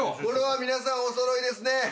これは皆さんお揃いですね。